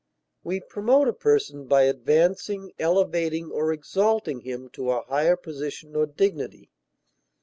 We promote a person by advancing, elevating, or exalting him to a higher position or dignity.